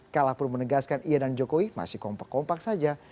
kala pun menegaskan ia dan jokowi masih kompak kompak saja